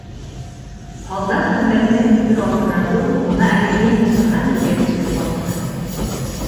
Һалдат хеҙмәтенә китер алдынан ул бына әле һин ултырған ергә килеп баҫты.